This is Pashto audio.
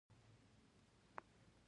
تا مطلب د انټیل چپ په څیر دی